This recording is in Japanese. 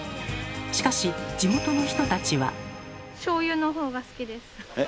しかし地元の人たちは。